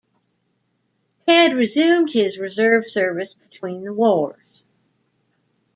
Ted resumed his reserve service between the wars.